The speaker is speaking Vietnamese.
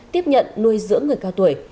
tiếp nhận nuôi dưỡng người cao tuổi